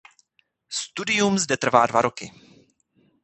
Studium zde trvá dva roky.